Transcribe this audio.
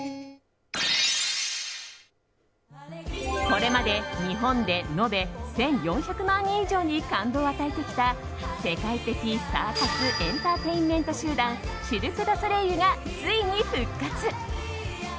これまで日本で延べ１４００万人以上に感動を与えてきた世界的サーカスエンターテインメント集団シルク・ドゥ・ソレイユがついに復活。